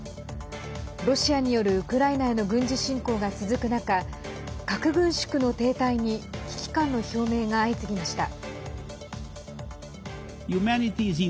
ロシアによるウクライナへの軍事侵攻が続く中核軍縮の停滞に危機感の表明が相次ぎました。